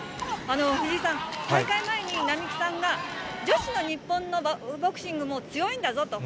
藤井さん、大会前に並木さんが、女子の日本のボクシングも強いんだぞと。